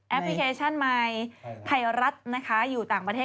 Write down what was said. พลิเคชันมายไทยรัฐนะคะอยู่ต่างประเทศ